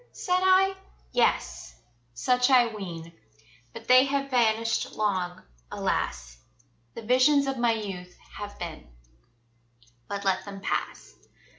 said I? Yes! such I ween But they have vanished long, alas! The visions of my youth have been But let them pass.